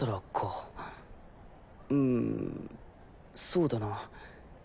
うんそうだな